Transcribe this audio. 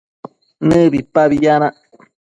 nëbipabi yanac